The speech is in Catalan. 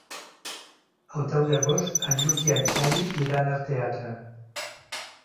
El deu d'agost en Lluc i en Xavi iran al teatre.